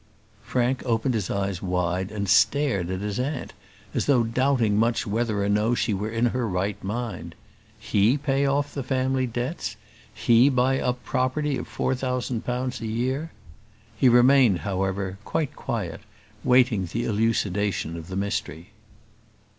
Frank opened his eyes wide and stared at his aunt, as though doubting much whether or no she were in her right mind. He pay off the family debts! He buy up property of four thousand pounds a year! He remained, however, quite quiet, waiting the elucidation of the mystery.